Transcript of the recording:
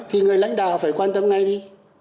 thì người lãnh đạo phải quan tâm ngay đi